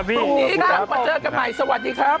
วันนี้ก็มาเจอกันใหม่สวัสดีครับ